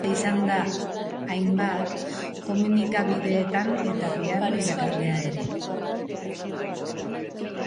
Kritikoa izan da hainbat komunikabideetan eta piano irakaslea ere.